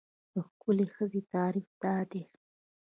د ښکلې ښځې تعریف دا دی.